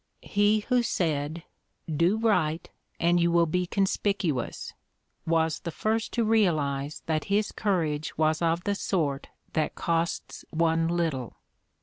He who said, "Do right and you will be conspicuous," was the first to realize that his courage was of the sort that costs one little.